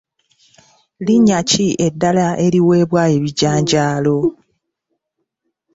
Linnya ki eddala eriweebwa ebijanjaalo?